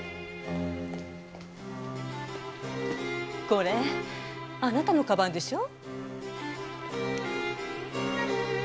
これあなたのかばんでしょ？